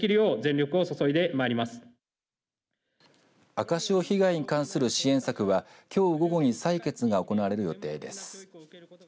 赤潮被害に関する支援策はきょう午後に採決が行われる予定です。